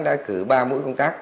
đã cử ba mũi công tác